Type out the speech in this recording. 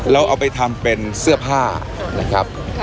เราเอาไปทำเป็นเสื้อผ้านะครับ